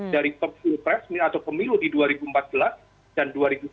dari pilpres atau pemilu di dua ribu empat belas dan dua ribu sembilan belas